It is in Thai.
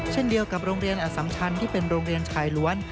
เช่นเดียวกับโรงเรียนอสัมชันที่เป็นโรงเรียนชายล้วน